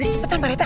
cepetan pak retta